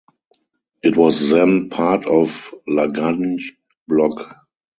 It was then part of Lalganj block.